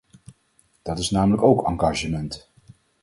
Dat is namelijk ook engagement.